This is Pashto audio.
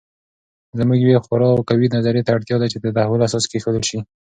زموږ یوې خورا قوي نظریې ته اړتیا ده چې د تحول اساس کېښودل سي.